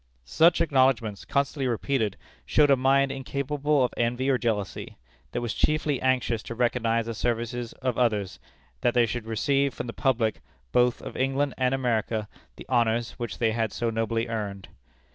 Such acknowledgments, constantly repeated, showed a mind incapable of envy or jealousy; that was chiefly anxious to recognize the services of others, and that they should receive from the public, both of England and America, the honors which they had so nobly earned.